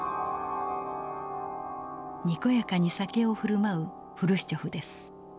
にこやかに酒を振る舞うフルシチョフです。